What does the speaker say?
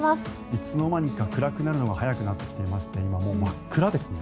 いつの間にか暗くなるのが早くなってきていまして今もう真っ暗ですね。